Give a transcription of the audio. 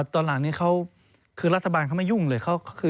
ตอนหลังนี้เขาคือรัฐบาลเขาไม่ยุ่งเลย